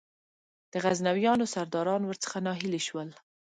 د غزنویانو سرداران ور څخه ناهیلي شول.